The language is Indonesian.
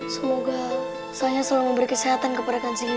semoga saya selalu memberi kesehatan kepada kakak saya